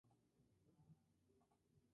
No Beer?".